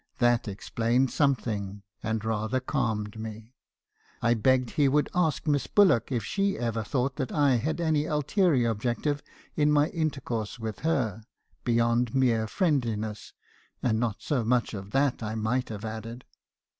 That explained something, and rather calmed me. I begged he would ask Miss Bullock if she had ever thought I had any ulterior object in my intercourse with her, beyond mere friend liness (and not so much of that , I might have added).